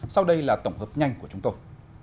sau đây là tổng hợp nhanh của chúng tôi